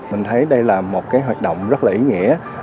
mình thấy đây là một cái hoạt động rất là ý nghĩa